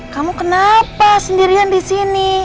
kamu kenapa sendirian disini